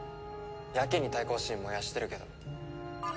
やけに対抗心燃やしてるけど。